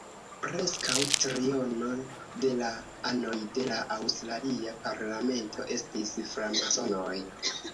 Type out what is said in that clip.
Preskaŭ triono de la anoj de la aŭstralia parlamento estis framasonoj.